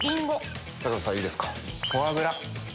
坂口さんいいですか。